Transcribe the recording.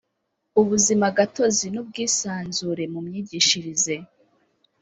ubuzimagatozi n ubwisanzure mu myigishirize